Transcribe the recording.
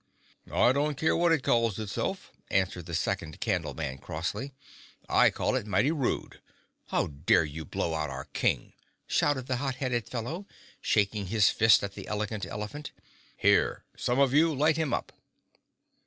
"I don't care what it calls itself," answered the second Candleman crossly. "I call it mighty rude. How dare you blow out our king?" shouted the hot headed fellow, shaking his fist at the Elegant Elephant. "Here, some of you, light him up!"